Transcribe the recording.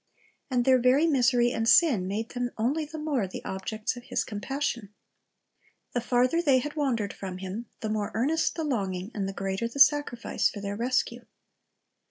And their very misery and sin made them only the more the objects of His compassion. The farther they had wandered from Him, the more earnest the longing and the greater the sacrifice for their rescue.